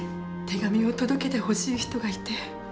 手紙を届けてほしい人がいて。